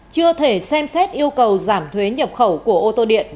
chưa thể xem xét yêu cầu giảm thuế nhập khẩu của ô tô điện